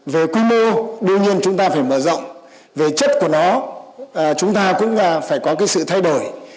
về quy mô đương nhiên chúng ta phải mở rộng về chất của nó chúng ta cũng phải có cái sự thay đổi